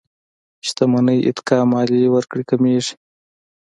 شتمنۍ اتکا ماليې ورکړې کمېږي.